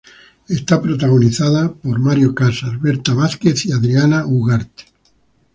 Está protagonizada por Mario Casas, Berta Vázquez y Adriana Ugarte.